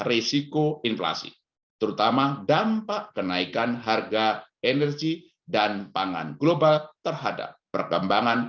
risiko inflasi terutama dampak kenaikan harga energi dan pangan global terhadap perkembangan